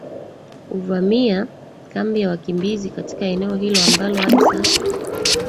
uvamia kambi ya wakimbizi katika eneo hilo ambalo hadi sasa